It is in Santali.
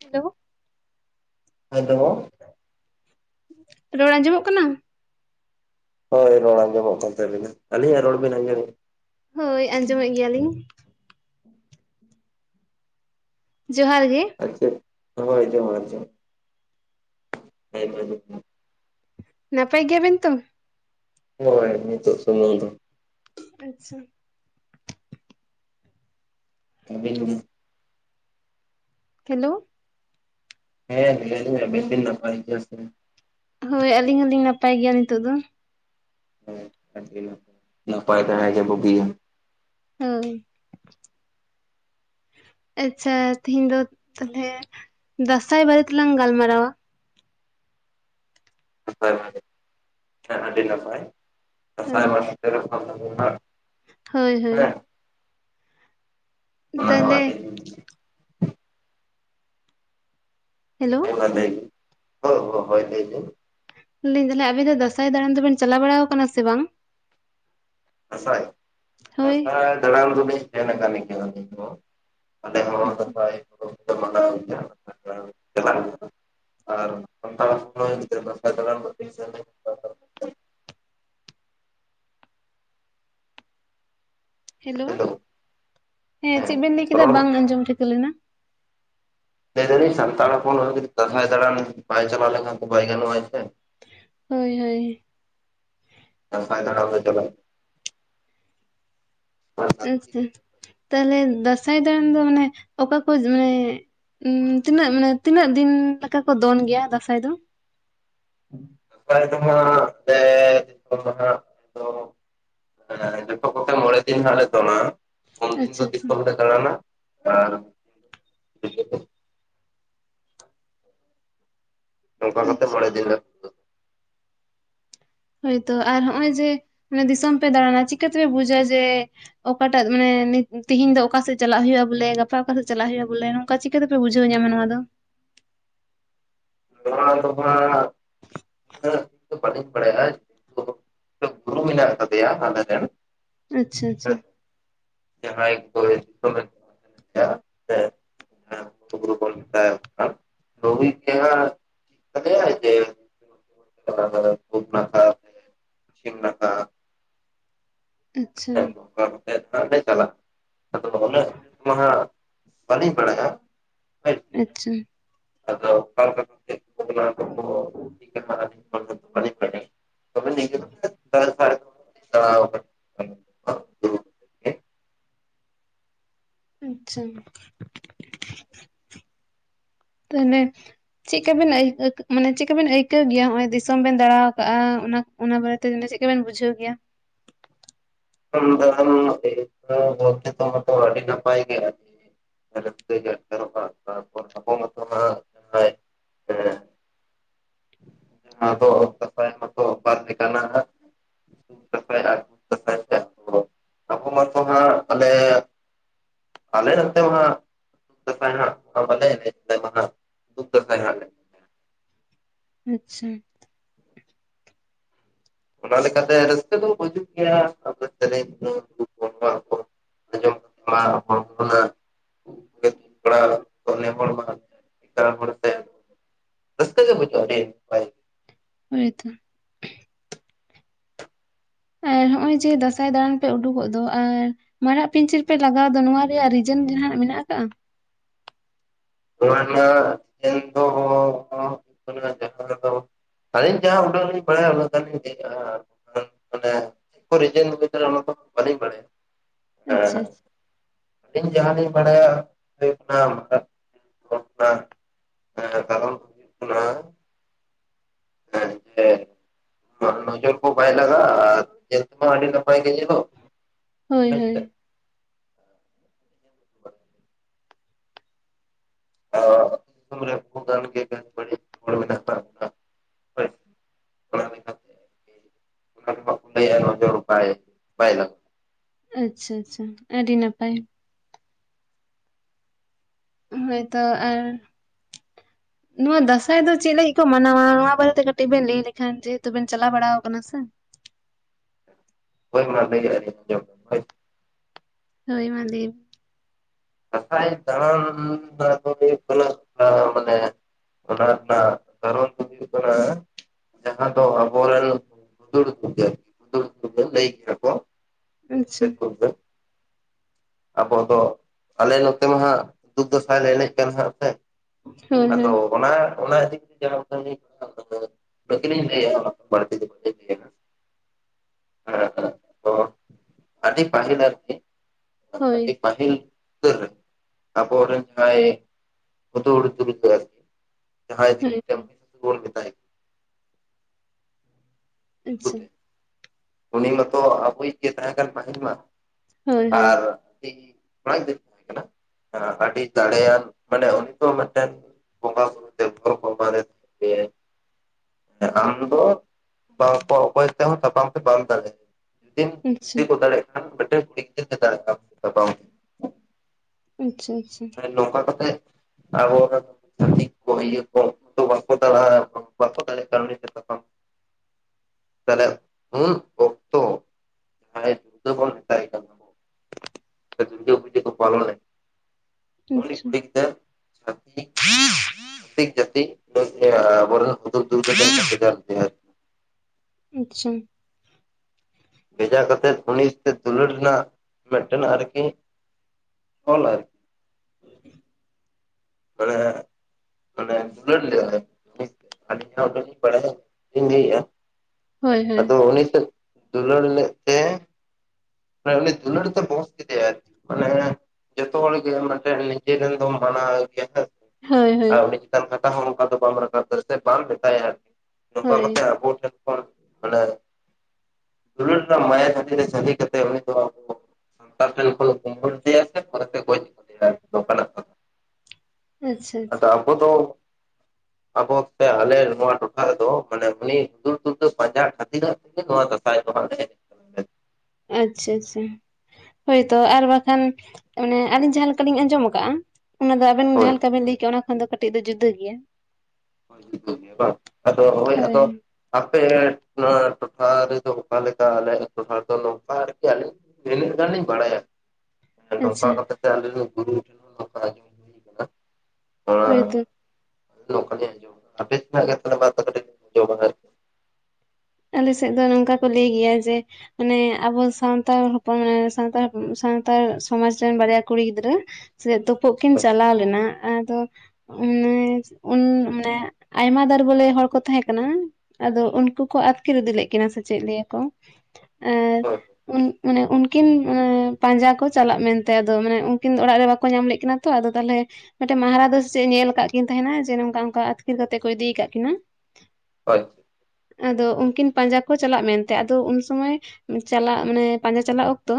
ᱦᱮᱞᱳ ᱦᱮᱞᱳ ᱨᱚᱲ ᱟᱸᱡᱚᱢᱚᱜ ᱠᱟᱱᱟ? ᱦᱳᱭ ᱨᱚᱲ ᱟᱸᱡᱚᱢᱚᱜ ᱠᱟᱱ ᱛᱟᱹᱤᱧᱱᱟ ᱟᱹᱞᱤᱧᱟᱜ ᱨᱚᱲ ᱵᱤᱱ ᱟᱸᱡᱚᱢ ᱦᱳᱭ ᱟᱸᱡᱚᱢᱮᱫ ᱜᱮᱭᱟᱞᱤᱧ ᱡᱚᱦᱟᱨ ᱜᱮ ᱟᱪᱪᱷᱟ ᱦᱚᱭ ᱡᱚᱦᱟᱨ ᱡᱚᱦᱟᱨ [unintelligible] ᱱᱟᱯᱟᱭ ᱜᱮᱭᱟ ᱵᱤᱱ ᱛᱚ ᱦᱳᱭ ᱱᱤᱛᱚᱜ ᱥᱚᱢᱚᱭ ᱫᱚ ᱟᱪᱪᱷᱟ [unintelligible] ᱦᱮᱞᱳ ᱦᱮᱸ ᱞᱟ. ᱭ ᱵᱤᱱ ᱟᱹᱵᱤᱱ ᱵᱤᱱ ᱱᱟᱯᱟᱭ ᱜᱮᱭᱟ ᱥᱮ ᱦᱳᱭ ᱟᱹᱞᱤᱧ ᱦᱚᱞᱤᱧ ᱱᱟᱯᱟᱭ ᱜᱮᱭᱟ ᱱᱤᱛᱳᱜ ᱫᱚ [inaudible] ᱱᱟᱯᱟᱭ ᱛᱟᱦᱮᱸ ᱜᱮ ᱵᱩᱜᱩᱜᱭᱟ ᱦᱩᱸ ᱟᱪᱪᱷᱟ ᱛᱤᱦᱤᱧ ᱫᱚ ᱛᱟᱞᱦᱮᱮ ᱫᱟᱸᱥᱟᱭ ᱵᱟᱨᱮ ᱛᱮᱞᱟᱝ ᱜᱟᱞᱢᱟᱨᱟᱣᱼᱟ [inaudible] ᱦᱮᱸ ᱟᱹᱰᱤ ᱱᱟᱯᱟᱭ ᱫᱟᱸᱥᱟᱭ ᱦᱳᱭ ᱢᱟ ᱥᱮᱴᱮᱨᱚᱜ ᱠᱟᱱ ᱛᱟᱵᱚᱱ ᱦᱟᱸᱜ ᱦᱳᱭ ᱦᱳᱭ ᱚᱱᱟ ᱫᱚ ᱛᱟᱦᱚᱞᱮ ᱟᱵᱤᱱ ᱦᱮᱞᱳ [inaudible] ᱞᱟᱹᱭ ᱫᱟᱞᱮ ᱟᱵᱤᱱ ᱫᱚ ᱫᱟᱸᱥᱟᱭ ᱫᱟᱲᱟᱱ ᱫᱚᱵᱮᱱ ᱪᱟᱞᱟᱣ ᱵᱟᱲᱟ ᱟᱠᱟᱱᱟ ᱥᱮ ᱵᱟᱝ ᱦᱳᱭ [unintelligible] ᱟᱞᱮ ᱦᱚᱸ ᱟᱪᱪᱷᱟ [unintelligible] ᱪᱟᱞᱟᱜ ᱦᱩᱭᱩᱜ-ᱟ᱾ ᱟᱨ ᱥᱟᱱᱛᱟᱲ ᱟᱛᱩ ᱠᱚᱨᱮ ᱜᱤᱫᱨᱟᱹ ᱫᱟᱥᱟᱭ ᱫᱟᱲᱟᱱ [inaudible] ᱦᱮᱞᱳ, ᱦᱮᱸ ᱪᱮᱫ ᱵᱮᱱ ᱞᱟᱹᱭᱠᱟ ᱵᱟᱝ ᱟᱸᱡᱚᱢ ᱴᱷᱤᱠᱟᱹ ᱞᱮᱱᱟ ᱞᱟᱹᱭ ᱫᱟᱹᱞᱤᱧ ᱥᱟᱱᱛᱟᱲ ᱦᱚᱯᱚᱱ ᱟᱨ ᱡᱩᱫᱤ ᱫᱟᱥᱟᱭ ᱫᱟᱲᱟᱱ ᱵᱟᱭ ᱪᱞᱟᱣ ᱞᱮᱠᱷᱟᱱ ᱵᱟᱭᱜᱟᱱᱚᱜ-ᱟᱭ ᱥᱮ ᱦᱳᱭ ᱦᱳᱭ ᱫᱟᱸᱥᱟᱭ ᱫᱟᱲᱟᱱ ᱫᱚ ᱪᱟᱞᱟᱜ ᱞᱟᱹᱠᱛᱤ ᱟᱪᱪᱷᱟ ᱜᱮ᱾ ᱛᱟᱦᱞᱮ ᱫᱟᱸᱥᱟᱭ ᱫᱟᱬᱟᱱ ᱫᱚ ᱢᱟᱱᱮ ᱚᱠᱟ ᱠᱚ ᱢᱟᱱᱮ ᱩᱸ ᱛᱤᱱᱟᱹᱜ ᱢᱟᱱᱮ ᱛᱤᱱᱟᱹᱜ ᱫᱤᱱ ᱞᱮᱠᱟ ᱠᱚ ᱫᱚᱱ ᱜᱮᱭᱟ ᱫᱟᱸᱟᱭ ᱫᱚ? [unintelligible] ᱦᱟᱸᱜ ᱦᱮᱸ ᱡᱚᱛᱚ ᱠᱚᱛᱮ ᱢᱚᱬᱮ ᱫᱤᱱ ᱦᱟᱸᱜ ᱞᱮ ᱫᱚᱱᱟ ᱩᱱᱫᱤᱱ ᱟᱪᱪᱷᱟ ᱫᱚ ᱟᱪᱪᱷᱟ ᱫᱤᱥᱚᱢᱞᱮ ᱫᱟᱬᱟᱱᱟ ᱟᱨ ᱱᱤᱛᱳᱜ ᱫᱚ ᱱᱟᱝᱠᱟ ᱠᱟᱛᱮᱫ ᱟᱪᱪᱷᱟ ᱢᱚᱬᱮ ᱫᱤᱱ ᱞᱮ ᱱᱚᱣᱟ ᱦᱳᱭᱛᱳ ᱟᱨ ᱦᱚᱸᱜᱼᱚᱭ ᱡᱮ ᱫᱤᱥᱚᱢ ᱯᱮ ᱫᱟᱬᱟᱱᱟ ᱪᱤᱠᱟᱹᱛᱮᱯᱮ ᱵᱩᱡᱟ ᱡᱮ ᱚᱠᱟᱴᱟᱜ ᱢᱟᱱᱮ ᱱᱤᱛ -ᱛᱤᱦᱤᱧ ᱫᱚ ᱚᱠᱟᱥᱮᱫ ᱪᱟᱞᱟᱜ ᱦᱩᱭᱩᱜᱼᱟ ᱵᱚᱞᱮ ᱜᱟᱯᱟ ᱚᱠᱟᱥᱮᱫ ᱪᱟᱞᱟᱜ ᱦᱩᱭᱩᱜᱼᱟ ᱵᱚᱞᱮ ᱚᱠᱟ ᱪᱤᱠᱟᱹᱛᱮᱯᱮ ᱵᱩᱡᱷᱣ ᱧᱟᱢᱟ ᱱᱚᱣᱟ ᱫᱚ? [unintelligible] ᱫᱚ ᱦᱟᱜ ᱦᱮᱸ ᱩᱱᱟᱹᱜ ᱫᱚ ᱵᱟᱹᱮᱧ ᱵᱟᱲᱟᱭᱟ ᱡᱮᱦᱮᱛᱩ ᱜᱩᱨᱩ ᱢᱮᱱᱟᱜ ᱟᱠᱟᱫᱮᱭᱟ ᱟᱞᱮ ᱨᱮᱱ ᱟᱪᱪᱷᱟ ᱟᱪᱪᱷᱟ ᱦᱟᱦᱟᱭ ᱠᱚᱭ [inaudible] ᱜᱩᱨᱩ ᱵᱚᱱ ᱢᱮᱛᱟᱭ [inaudible] ᱠᱟᱱ [unintelligible] [unintelligible] ᱦᱟᱱᱟ ᱫᱷᱟᱨᱮ ᱯᱩᱵ ᱱᱟᱠᱷᱟ ᱯᱩᱪᱷᱤᱢ ᱱᱟᱠᱷᱟ ᱦᱟᱸᱜ ᱟᱪᱪᱷᱟ ᱱᱚᱝᱠᱟ ᱠᱟᱛᱮᱫ ᱦᱟᱸᱜ ᱞᱮ ᱪᱟᱞᱟᱜᱼᱟ ᱟᱫᱚ ᱩᱱᱟᱹᱜ ᱢᱟ ᱦᱟᱸᱜ ᱵᱟᱹᱞᱤᱧ ᱵᱟᱲᱟᱭᱟ᱾ ᱦᱳᱭ ᱟᱪᱪᱷᱟ ᱟᱫᱚ [unintelligible] [unintelligible] ᱱᱚᱛᱮ ᱢᱟ ᱟᱰᱤ [unintelligible] [inaudible] ᱪᱟᱞᱟᱣ ᱟᱠᱟᱱᱟ ᱟᱪᱪᱷᱟ ᱛᱟᱦᱞᱮ ᱪᱮᱫᱠᱟᱵᱤᱱ ᱢᱟᱱᱮ ᱪᱮᱫᱠᱟᱵᱱ ᱟ. ᱭ ᱟ. ᱭ ᱢᱟᱱᱮ ᱪᱮᱫᱠᱟ ᱵᱮᱱ ᱟᱹᱭᱠᱟᱹᱣ ᱜᱮᱭᱟ ᱦᱚᱸᱜ-ᱚᱭ ᱚᱚᱭ ᱫᱤᱥᱚᱢ ᱵᱮᱱ ᱫᱟᱬᱟ ᱟᱠᱟᱜᱼᱟ ᱚᱱᱟ ᱚᱱᱟ ᱵᱟᱨᱮᱛᱮ ᱢᱟᱱᱮ ᱪᱮᱫᱠᱟᱵᱮᱱ ᱵᱩᱡᱷᱟᱹᱣ ᱜᱮᱭᱟ? ᱫᱟᱢ ᱫᱚ ᱢᱚᱴᱟᱢᱩᱴᱤ ᱟᱹᱰᱤ ᱱᱟᱯᱟᱭ ᱜᱮᱭᱟ ᱟᱰᱤ ᱨᱟ. ᱥᱠᱟ. ᱜᱮ ᱟᱴᱠᱟᱨᱚᱜ ᱠᱟᱱᱟ ᱛᱟᱨᱯᱚᱨ ᱟᱵᱚ ᱢᱚᱛᱚ ᱦᱟᱜ ᱱᱣᱟᱫᱚ ᱱᱟᱯᱟᱭ ᱢᱚᱛᱚ ᱯᱟᱥ ᱞᱮᱠᱟᱱᱟ ᱦᱟᱜ ᱛᱟᱨᱯᱚᱨᱮ ᱦᱚᱜ ᱚᱭ ᱛᱟᱦᱞᱮ ᱟᱞᱮ ᱱᱚᱛᱮ ᱢᱟ ᱦᱟᱸᱜ ᱫᱩᱠ ᱫᱟᱸᱥᱟᱭ ᱦᱟᱸᱜ ᱢᱟ ᱵᱟᱞᱮ ᱮᱱᱮᱡ ᱫᱟ ᱢᱟ ᱦᱟᱸᱜ ᱥᱩᱠ ᱫᱟᱸᱥᱟᱭ ᱦᱟᱸᱜ᱾ ᱟᱪᱪᱷᱟ ᱚᱱᱟ ᱞᱮᱠᱟᱛᱮ ᱨᱟᱹᱥᱠᱟᱹ ᱫᱚ ᱦᱟᱹᱡᱩᱜ ᱜᱮᱭᱟ ᱟᱨ ᱥᱮᱨᱮᱧ ᱠᱚ [unintelligible] ᱟᱸᱡᱚᱢ ᱠᱟᱛᱤ ᱢᱟ ᱦᱚᱲᱠᱩ ᱚᱱᱟ [unintelligible] [inaudible] ᱛᱚᱱᱮ ᱯᱟᱲ ᱵᱟᱜᱷᱟᱱ ᱛᱟᱨᱯᱚᱨᱮ ᱛᱟᱭᱚᱢ ᱤᱱᱠᱟᱹ ᱜᱮ ᱦᱩᱭ ᱠᱚᱜᱼᱟ [unintelligible] ᱦᱳᱭᱛᱚ ᱟᱨ ᱱᱚᱜ ᱚᱭ ᱡᱮ ᱫᱟᱸᱥᱟᱭ ᱫᱟᱲᱟᱱ ᱯᱮ ᱩᱰᱩᱠᱚᱜ ᱫᱚ ᱟᱨ ᱢᱟᱨᱟᱜ ᱯᱤᱧᱪᱟᱹᱨ ᱯᱮ ᱞᱟᱜᱟᱣ ᱫᱚ ᱱᱚᱣᱟ ᱨᱮᱭᱟᱜ ᱨᱤᱡᱮᱱ ᱡᱟᱦᱟᱸᱱᱟᱜ ᱢᱮᱱᱟᱜ ᱟᱠᱟᱟᱜᱼᱟ ᱱᱚᱣᱟ ᱨᱮᱱᱟᱜ ᱨᱤᱡᱮᱱ ᱫᱚ ᱵᱟᱱᱩᱜᱼᱟ ᱡᱟᱦᱟ ᱨᱮᱫᱚ ᱟᱹᱞᱤᱧ ᱡᱟᱦᱟ ᱩᱰᱟᱹᱝ ᱞᱤᱧ ᱵᱟᱲᱟᱭᱟ ᱩᱱᱟᱹᱜ ᱫᱷᱟᱨᱤᱡ ᱞᱤᱧ ᱞᱟᱹᱭ ᱮᱜᱼᱟ ᱩᱱᱟᱹᱝ ᱢᱟᱱᱮ ᱨᱤᱡᱮᱱ ᱪᱮᱫ ᱠᱚ ᱚᱱᱟ ᱫᱚ ᱵᱟᱞᱤᱧ ᱵᱟᱲᱟᱭᱟ ᱦᱮᱸ ᱟᱪᱪᱷᱟ ᱟᱪᱪᱷᱟ ᱟᱹᱞᱤᱧ ᱡᱟᱦᱟᱸᱞᱤᱧ ᱵᱟᱲᱟᱭᱟ ᱦᱩᱭᱩᱜ ᱠᱟᱱᱟ ᱦᱚᱨᱴᱟᱜ ᱦᱮᱸ ᱠᱟᱨᱚᱱ ᱦᱮᱸ ᱡᱮ ᱱᱚᱡᱚᱨ ᱠᱚ ᱵᱟᱭ ᱞᱟᱜᱟᱜᱼᱟ ᱟᱨ ᱧᱮᱞ ᱛᱮᱦᱚ ᱟᱹᱰᱤ ᱱᱟᱯᱟᱭ ᱜᱮ ᱧᱮᱞᱚᱜ᱾ ᱦᱳᱭ ᱦᱮᱸᱥᱮ ᱦᱳᱭ᱾ [inaudible] ᱚ ᱜᱚᱴᱟᱝ ᱜᱮ ᱵᱟᱹᱲᱤᱡ ᱦᱚᱲ ᱢᱮᱱᱟᱜ ᱠᱟᱜ ᱠᱚᱣᱟ‌ ᱦᱳᱭ ᱚᱱᱟ ᱞᱟᱜᱤᱫ ᱚᱱᱟ ᱡᱚᱦᱚᱜ ᱠᱚ ᱞᱟᱹᱭ ᱟ ᱱᱚᱡᱚᱨ ᱵᱟᱭ ᱵᱟᱭᱟ ᱟᱪᱪᱷᱟ ᱟᱪᱪᱷᱟ ᱟᱹᱰᱤ ᱱᱟᱯᱟᱭ᱾ ᱦᱳᱭ ᱛᱚ ᱟᱨ [inaudible] ᱱᱚᱣᱟ ᱫᱟᱸᱥᱟᱭ ᱫᱚ ᱪᱮᱫ ᱞᱟᱹᱜᱤᱫ ᱠᱚ ᱢᱟᱱᱟᱣᱟ ᱱᱚᱣᱟ ᱵᱟᱨᱮᱛᱮ ᱠᱟᱹᱴᱤᱡ ᱵᱮᱱ ᱞᱟᱹᱭ ᱞᱮᱠᱷᱟᱱ ᱡᱮᱦᱮᱛᱩ ᱵᱮᱱ ᱪᱟᱞᱟᱣ ᱵᱟᱲᱟ ᱟᱠᱟᱱᱟ ᱥᱮ? ᱦᱳᱭ ᱚᱱᱟ ᱞᱟᱹᱭ ᱮᱜ ᱟ ᱪᱮᱫ ᱪᱚᱝ ᱦᱚᱭ ᱢᱟ ᱞᱮᱭ ᱵᱤᱱ ᱫᱟᱸᱥᱟᱭ ᱫᱟᱸᱲᱟᱱ ᱢᱟᱱᱮ ᱫᱚ ᱦᱩᱭᱩᱜ ᱠᱟᱱᱟ ᱢᱟᱱᱮ ᱚᱱᱟ ᱨᱮᱱᱟᱜ ᱠᱟᱨᱚᱱ ᱫᱚ ᱦᱩᱭᱩᱜ ᱠᱟᱱᱟ ᱡᱟᱦᱟᱸ ᱫᱚ ᱟᱵᱚ ᱨᱮᱱ [unintelligible] ᱟᱪᱪᱷᱟ ᱟᱵᱚ ᱫᱚ ᱟᱞᱮ ᱱᱚᱛᱮ ᱢᱟ ᱦᱟᱸᱜ ᱫᱩᱠ ᱫᱟᱸᱥᱟᱭ ᱞᱮ ᱮᱱᱮᱡ ᱠᱟᱱ ᱦᱟᱜ ᱥᱮ ᱦᱳᱭ ᱟᱫᱚ ᱦᱳᱭ ᱚᱱᱟ ᱚᱱᱟ ᱤᱫᱤ ᱠᱟᱛᱮ [unintelligible] [unintelligible] ᱠᱟᱹᱴᱤᱡ ᱞᱤᱧ ᱞᱟᱹᱭᱟ ᱚᱱᱟ ᱠᱷᱚᱱ ᱵᱟᱲᱛᱤ ᱫᱟ ᱵᱟᱞᱤᱧ ᱞᱟᱹᱭᱟ ᱟᱠᱟᱱᱟ, ᱛᱚ ᱟᱹᱰᱤ ᱯᱟᱹᱦᱤᱞ [unintelligible] ᱦᱳᱭ ᱯᱟᱹᱦᱤᱞ ᱩᱛᱟᱹᱨ ᱨᱮ ᱟᱵᱚᱨ ᱨᱮᱱ ᱡᱟᱦᱟᱸᱭ ᱦᱩᱫᱩᱲ ᱫᱷᱩᱨᱟᱹ ᱟᱨ ᱠᱤ ᱡᱟᱦᱟᱸᱭ ᱦᱳᱭ ᱦᱳᱭ [unintelligible] ᱟᱪᱪᱷᱟ ᱫᱤᱠᱩᱛᱮ ᱩᱱᱤ ᱢᱚᱛᱚ ᱟᱵᱚᱭᱤᱡ ᱜᱮ ᱛᱟᱦᱮᱸ ᱠᱟᱱ ᱯᱟᱹᱦᱤᱞ ᱢᱟ ᱦᱳᱭ ᱦᱳᱭ ᱟᱨ ᱚᱱᱟ ᱫᱚ ᱦᱩᱭᱩᱜ ᱠᱟᱱᱟ ᱟᱹᱰᱤ ᱫᱟᱲᱮᱭᱟᱱ ᱢᱟᱱᱮ ᱩᱱᱠᱩ ᱢᱤᱫᱴᱟᱹᱝ ᱵᱚᱸᱜᱟ ᱵᱩᱨᱩ ᱫᱮᱵ ᱥᱚᱡ ᱛᱮ ᱠᱚ ᱠᱚᱵᱷᱟᱨ ᱮᱫ ᱯᱮᱭᱟ ᱟᱢ ᱫᱚ ᱵᱟᱝᱠᱚ ᱚᱠᱚᱭ ᱛᱮᱦᱚᱸ ᱛᱟᱯᱟᱢ ᱛᱮ ᱵᱟᱢ ᱫᱟᱲᱮᱜᱼᱟ [unintelligible] ᱟᱪᱪᱷᱟ [unintelligible] [unintelligible] [unintelligible] [unintelligible] [unintelligible] ᱟᱪᱪᱷᱟ ᱟᱪᱪᱷᱟ ᱱᱚᱝᱠᱟ ᱠᱟᱛᱮ ᱟᱨᱚ [unintelligible] ᱵᱟᱠᱚ ᱫᱟᱲᱮᱜ ᱠᱟᱱ ᱦᱚᱛᱮᱛᱮ ᱛᱟᱞᱮ ᱦᱩᱸ ᱠᱚ ᱢᱮᱛᱟᱭ ᱠᱟᱱᱟ ᱫᱩᱨᱜᱟᱹ ᱯᱩᱡᱟᱹ ᱠᱚ ᱯᱟᱞᱚᱱ ᱨᱮ ᱟᱪᱪᱷᱟ ᱪᱷᱟᱹᱛᱤᱠ ᱪᱷᱟᱹᱛᱤᱠ ᱡᱟᱹᱛᱤ ᱟᱵᱚ ᱨᱮᱱ ᱦᱩᱰᱩᱨ ᱫᱩᱨᱜᱟᱹ ᱴᱷᱮᱱ ᱠᱚ ᱵᱷᱮᱡᱟ ᱞᱮᱫᱮᱭᱟ ᱟᱪᱪᱷᱟ ᱵᱷᱮᱡᱟ ᱠᱟᱛᱮᱫ ᱩᱱᱤ ᱴᱷᱮᱡ ᱫᱩᱞᱟᱹᱲ ᱨᱮᱱᱟᱜ ᱢᱤᱫᱴᱟᱝ ᱟᱨᱠᱤ ᱚᱞ ᱟᱨᱠᱤ [unintelligible] ᱢᱟᱱᱮ ᱫᱩᱞᱟᱹᱲ ᱞᱮᱫᱟᱭ ᱟᱹᱞᱤᱧ ᱦᱚᱸ ᱵᱟᱹᱞᱤᱧ ᱵᱟᱲᱟᱭᱟ ᱞᱤᱧ ᱞᱟᱹᱭ ᱮᱜᱼᱟ ᱦᱳᱭ ᱦᱳᱭ ᱟᱫᱚ ᱩᱱᱤ ᱥᱮᱫ ᱫᱩᱞᱟᱹᱲ ᱞᱮᱫ ᱛᱮ ᱩᱱᱤ ᱫᱩᱞᱟᱹᱲ ᱛᱮ ᱵᱟᱥ ᱠᱮᱫᱮᱭᱟᱼ ᱡᱚᱛᱚ ᱦᱚᱲ ᱜᱮ ᱢᱟᱱᱮ ᱱᱤᱡᱮ ᱵᱚᱱ ᱵᱟᱲᱟᱭ ᱜᱮᱭᱟ ᱥᱮ ᱦᱳᱭ ᱦᱳᱭ ᱟᱨ ᱩᱱᱤ ᱪᱮᱛᱟᱱ ᱠᱟᱛᱷᱟ ᱦᱚᱸ ᱚᱱᱠᱟ ᱫᱚ ᱵᱟᱢ ᱨᱟᱠᱟᱵ ᱫᱟ ᱥᱮ ᱵᱟᱢ ᱢᱮᱛᱟ ᱟᱭᱟ ᱱᱚᱝᱠᱟ ᱦᱳᱭ ᱠᱟᱛᱮ ᱟᱵᱚ ᱴᱷᱮᱱ ᱠᱷᱚᱱ ᱢᱟᱱᱮ ᱫᱩᱞᱟᱹᱲ ᱨᱮᱱᱟᱜ ᱢᱟᱭᱟ ᱡᱷᱟᱹᱞᱤ ᱨᱮ ᱡᱷᱟᱹᱞᱤ ᱠᱟᱛᱮᱫ ᱩᱱᱤ ᱫᱚ ᱟᱵᱚ ᱥᱟᱱᱛᱟᱲ [unintelligible] [unintelligible] ᱜᱚᱡ ᱠᱮᱫᱮᱭᱟᱭ ᱱᱚᱝᱠᱟᱱᱟᱜ ᱟᱪᱪᱷᱟ ᱟᱨ ᱟᱵᱚ ᱫᱚ ᱟᱵᱚ ᱥᱮ ᱟᱞᱮ ᱚᱱᱟ ᱨᱮᱭᱟᱜ ᱴᱚᱴᱷᱟ ᱫᱚ ᱢᱟᱱᱮ ᱩᱱᱤ ᱦᱩᱫᱩᱨ ᱫᱩᱨᱜᱟᱹ ᱯᱟᱸᱡᱟᱭ ᱠᱷᱟᱹᱛᱤᱨ [unintelligible] ᱟᱪᱪᱷᱟ ᱟᱪᱪᱷᱟ ᱦᱳᱭ ᱛᱳ ᱟᱨ ᱵᱟ ᱠᱷᱟᱱ ᱢᱟᱱᱮ ᱟᱹᱞᱤᱧ ᱡᱟᱦᱟᱸᱮ ᱞᱮᱠᱟ ᱞᱤᱧ ᱟᱸᱡᱚᱢ ᱟᱠᱟᱫᱼᱟ ᱚᱱᱟ ᱫᱚ ᱟᱵᱮᱱ ᱦᱳᱭ ᱡᱟᱦᱟᱸ ᱞᱮᱠᱟ ᱵᱮᱱ ᱞᱟᱹᱭ ᱠᱮᱜᱼᱟ ᱚᱱᱟ ᱠᱷᱚᱱ ᱫᱚ ᱠᱟᱹᱴᱤᱡ ᱫᱚ ᱡᱩᱫᱟᱹ ᱜᱮᱭᱟ ᱡᱩᱫᱟᱹ ᱜᱮᱭᱟ ᱵᱟᱝ ᱟᱫᱚ ᱦᱚᱭ ᱦᱳᱭ ᱟᱫᱚ ᱦᱳᱭ ᱟᱯᱮ ᱱᱚᱣᱟ ᱴᱚᱴᱷᱟ ᱨᱮ ᱫᱚ ᱚᱠᱟ ᱞᱮᱠᱟ ᱟᱞᱮ ᱭᱟᱜ ᱴᱚᱴᱷᱟ ᱫᱚ [unintelligible] ᱵᱟᱲᱟᱭᱟ ᱱᱚᱝᱠᱟ ᱟᱪᱪᱷᱟ ᱠᱟᱛᱮ ᱟᱞᱤᱧ ᱟᱜ ᱵᱩᱨᱩ ᱦᱳᱭ ᱛᱚ ᱱᱚᱝᱠᱟ ᱞᱤᱧ ᱟᱸᱡᱚᱢ ᱠᱟᱜᱼᱟ ᱟᱹᱵᱤᱱ ᱫᱚ ᱚᱠᱟ ᱞᱮᱠᱟ ᱵᱤᱱ [unintelligible] ᱟᱡᱚᱢ ᱠᱟᱫᱟ [unintelligible] ᱟᱞᱮ ᱥᱮᱫ ᱫᱚ ᱱᱚᱝᱠᱟ ᱠᱚ ᱞᱟᱹᱭ ᱜᱮᱭᱟ ᱡᱮ ᱢᱟᱱᱮ ᱟᱵᱚ ᱥᱟᱱᱛᱟᱲ ᱦᱚᱯᱚᱱ ᱢᱟᱱᱮ ᱥᱟᱱᱛᱟᱲ ᱥᱟᱱᱛᱟᱲ ᱥᱚᱢᱟᱡᱽ ᱨᱮᱱ ᱵᱟᱨᱭᱟ ᱠᱩᱲᱤ ᱜᱤᱫᱽᱨᱟᱹ ᱥᱮ ᱛᱩᱯᱩᱜ ᱠᱤᱱ ᱦᱳᱭ ᱪᱟᱞᱟᱣ ᱞᱮᱱᱟ ᱟᱫᱚ ᱟᱱᱮ ᱩᱱ ᱢᱟᱱᱮ ᱟᱭᱢᱟ ᱫᱟᱨ ᱵᱚᱞᱮ ᱦᱚᱲ ᱠᱚ ᱛᱟᱦᱮᱸ ᱠᱟᱱᱟ ᱟᱫᱚ ᱩᱱᱠᱩ ᱠᱚ ᱟᱹᱛᱠᱤᱨ ᱤᱫᱤ ᱞᱮᱫ ᱠᱤᱱᱟᱹ ᱥᱮ ᱪᱮᱫ ᱞᱟᱹᱭᱟ ᱠᱚ ᱟᱨ ᱦᱳᱭ ᱦᱳᱭ ᱩᱱ ᱢᱟᱱᱮ ᱩᱱᱠᱤᱱ ᱯᱟᱸᱡᱟ ᱠᱚ ᱪᱟᱞᱟᱜ ᱢᱮᱱᱛᱮ ᱟᱫᱚ ᱢᱟᱱᱮ ᱩᱱᱠᱤᱱ ᱫᱚ ᱚᱲᱟᱜ ᱨᱮ ᱵᱟᱠᱚ ᱧᱟᱢ ᱞᱮᱫ ᱠᱤᱱᱟ ᱛᱚ ᱟᱫᱚ ᱛᱟᱦᱚᱞᱮ ᱢᱤᱫᱴᱮᱱ ᱢᱟᱦᱟᱨᱟ ᱫᱚ ᱥᱮ ᱪᱮᱫ ᱮ ᱧᱮᱞ ᱟᱠᱟᱫ ᱠᱤᱱ ᱛᱟᱦᱮᱱᱟ ᱡᱮ ᱱᱚᱝᱠᱟ ᱚᱱᱠᱟ ᱟᱹᱛᱠᱤᱨ ᱠᱟᱛᱮᱫ ᱠᱚ ᱤᱫᱤ ᱟᱠᱟᱫ ᱠᱤᱱᱟ ᱦᱳᱭ ᱟᱫᱚ ᱩᱱ ᱩᱱᱠᱤᱱ ᱯᱟᱸᱡᱟ ᱠᱚ ᱪᱟᱞᱟᱜ ᱢᱮᱱᱛᱮ ᱟᱫᱚ ᱩᱱ ᱥᱚᱢᱚᱭ ᱪᱟᱞᱟᱜ ᱢᱟᱱᱮ ᱯᱟᱸᱡᱟ ᱪᱟᱞᱟᱜ ᱚᱠᱛᱚ